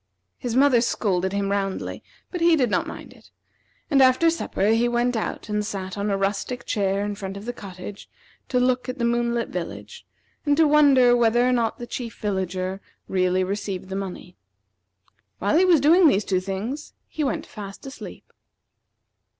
His mother scolded him roundly, but he did not mind it; and after supper he went out and sat on a rustic chair in front of the cottage to look at the moonlit village, and to wonder whether or not the Chief Villager really received the money. While he was doing these two things, he went fast asleep.